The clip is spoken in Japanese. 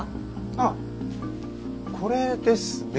あっこれですね。